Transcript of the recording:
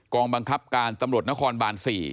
กองบังคับการตมคนบาร๔